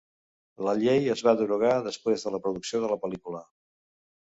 La llei es va derogar després de la producció de la pel·lícula.